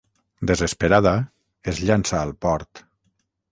Desesperada, es llança al port.